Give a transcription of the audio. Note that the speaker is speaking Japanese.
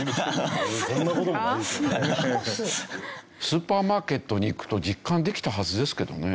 スーパーマーケットに行くと実感できたはずですけどね。